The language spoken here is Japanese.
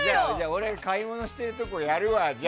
俺が買い物するところやるわ。